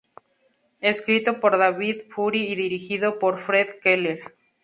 Escrito por David Fury y dirigido por Fred Keller.